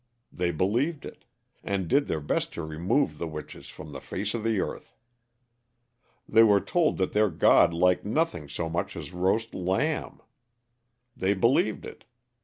They believed it; and did their best to remove the witches from the face of the earth. They were told that their God liked nothing so much as roast lamb. They believed it.